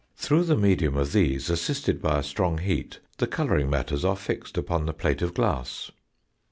Through the medium of these, assisted by a strong heat, the colouring matters are fixed upon the plate of glass."